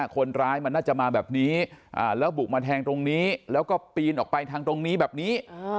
คนร้ายมันน่าจะมาแบบนี้แล้วบุกมาแทงตรงนี้แล้วก็ปีนออกไปทางตรงนี้แบบนี้